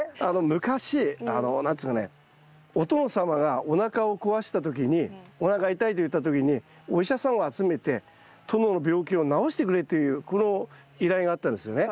昔何ですかねお殿様がおなかを壊した時におなかが痛いと言った時にお医者さんを集めて殿の病気を治してくれというこの依頼があったんですよね。